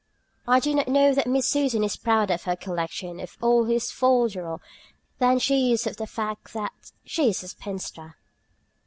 I do not know that Miss Susan is prouder of her collection of all this folderol than she is of the fact that she is a spinster.